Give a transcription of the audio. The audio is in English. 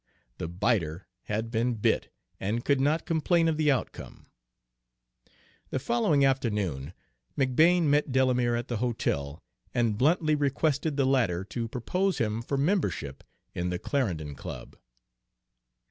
The biter had been bit, and could not complain of the outcome. The following afternoon McBane met Delamere at the hotel, and bluntly requested the latter to propose him for membership in the Clarendon Club.